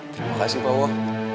terima kasih pak uwah